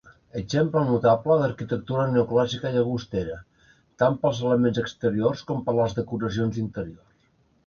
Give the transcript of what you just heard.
Exemple notable d'arquitectura neoclàssica a Llagostera, tant pels elements exteriors com per les decoracions interiors.